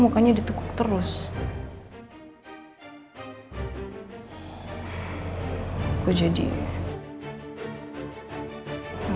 mukanya ditukuk terus aku jadi aku jadi nyesel